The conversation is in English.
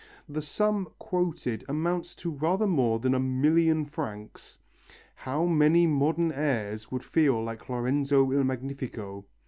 The sum quoted amounts to rather more than a million francs; how many modern heirs would feel like Lorenzo il Magnifico?